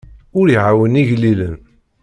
Ur iɛawen igellilen.